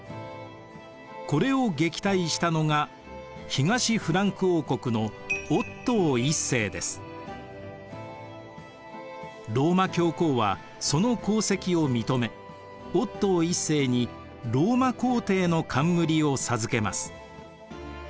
これを撃退したのが東フランク王国のローマ教皇はその功績を認めオットー１世にローマ皇帝の冠を授けます。